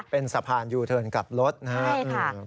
เป็นสะพานยูเทิร์นกลับรถนะครับ